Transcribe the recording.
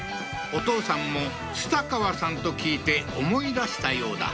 お父さんもツタカワさんと聞いて思い出したようだ